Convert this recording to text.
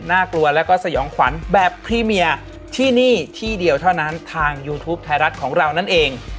กลัวแล้วก็สยองขวัญแบบพรีเมียที่นี่ที่เดียวเท่านั้นทางยูทูปไทยรัฐของเรานั่นเอง